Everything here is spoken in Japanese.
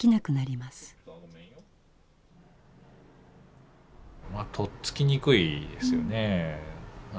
まあとっつきにくいですよね。